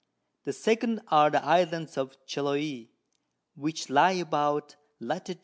The second are the Islands of Chiloe, which lie about Lat.